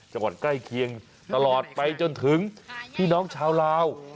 จังหวัดใกล้เคียงตลอดไปจนถึงพี่น้องชาวลาว